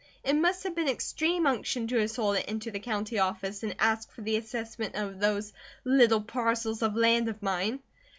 It must have been extreme unction to his soul to enter the county office and ask for the assessment on those "little parcels of land of mine."